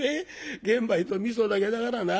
玄米とみそだけだからな。